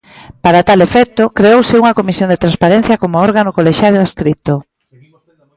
Para tal efecto, creouse unha comisión de transparencia como órgano colexiado adscrito.